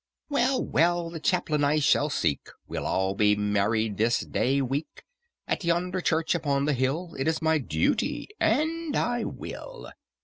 "Well, well, the chaplain I will seek, We'll all be married this day week At yonder church upon the hill; It is my duty, and I will!"